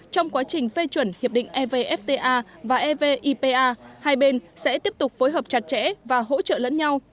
trong quá trình phê chuẩn hiệp định evfta và evipa hai bên sẽ tiếp tục phối hợp chặt chẽ và hỗ trợ lẫn nhau